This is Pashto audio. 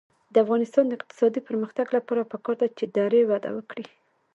د افغانستان د اقتصادي پرمختګ لپاره پکار ده چې دري وده وکړي.